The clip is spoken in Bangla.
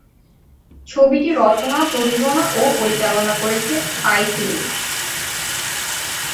ছবিটি রচনা, প্রযোজনা, ও পরিচালনা করেছেন স্পাইক লি।